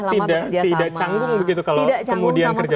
tidak canggung begitu